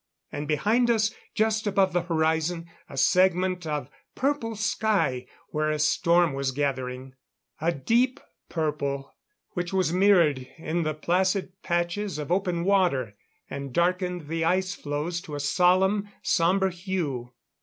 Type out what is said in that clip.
And behind us, just above the horizon, a segment of purple sky where a storm was gathering a deep purple which was mirrored in the placid patches of open water, and darkened the ice floes to a solemn, sombre hue.